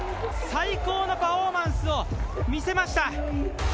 最高のパフォーマンスを見せました！